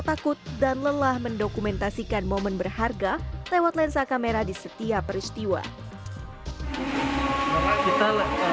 takut dan lelah mendokumentasikan momen berharga lewat lensa kamera di setiap peristiwa kita